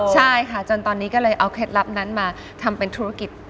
ใช่ค่ะจนตอนนี้ก็เลยเอาเคล็ดลับนั้นมาทำเป็นธุรกิจ